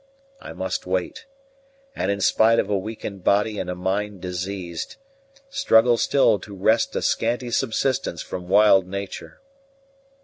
I must wait, and in spite of a weakened body and a mind diseased, struggle still to wrest a scanty subsistence from wild nature.